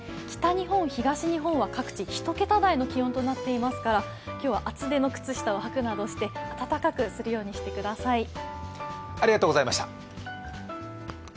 北日本東日本は、各地、１桁台の気温となっていますから、今日は厚手の靴下を履くなどして暖かくするようにしてください。